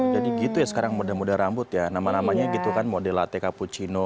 jadi gitu ya sekarang muda muda rambut ya nama namanya gitu kan model latte cappuccino